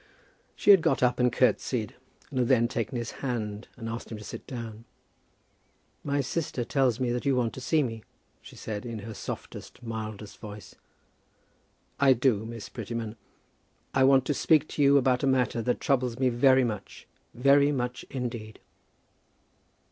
She had got up and curtseyed, and had then taken his hand and asked him to sit down. "My sister tells me that you want to see me," she said, in her softest, mildest voice. "I do, Miss Prettyman. I want to speak to you about a matter that troubles me very much, very much indeed."